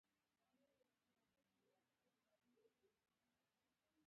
خوراک او پوښاک د فرنګیانو په ډول دی.